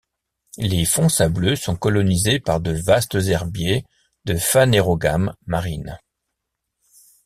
Les fonds sableux sont colonisés par de vastes herbiers de Phanérogames marines.